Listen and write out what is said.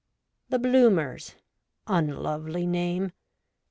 The Bloomers — un lovely name!